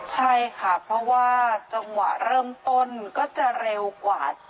ใช่ค่ะเพราะว่าจังหวะเริ่มต้นก็จะเร็วกว่า